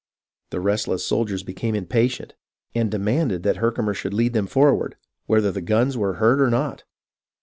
The restless soldiers became impatient, and demanded that Herkimer should lead them forward, whether the guns were heard or not.